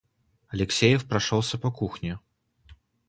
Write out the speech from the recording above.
Алексеев прошёлся по кухне.